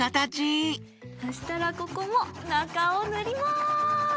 そしたらここもなかをぬります！